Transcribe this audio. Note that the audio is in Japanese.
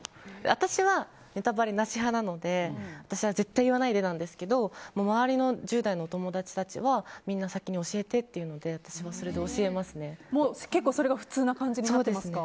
私はネタバレなし派なので私は絶対言わないでなんですけど周りの１０代のお友達たちは先に教えてって言うので結構それが普通な感じですか？